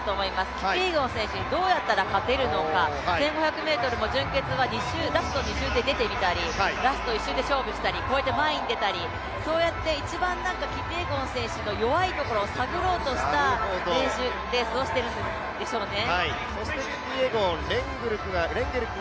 キピエゴン選手にどうやったら勝てるのか、１５００ｍも準決はラスト２周で出てみたりラスト１周で勝負したりこうやって前に出たりそうやって一番キピエゴン選手の弱いところを探ろうとしたレースをしてるんでしょうね。